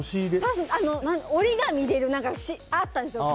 折り紙入れるものがあったんですよ。